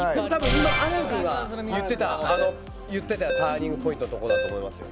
今、亜嵐君が言ってたのがターニングポイントだと思いますよ。